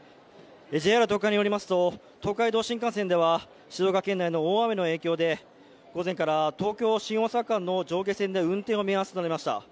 ＪＲ東海によりますと東海道新幹線は大雨の影響で午前から東京−新大阪間の上下線で運転を見合わせていました。